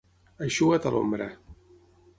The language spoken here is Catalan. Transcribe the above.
Eixugat a l'ombra.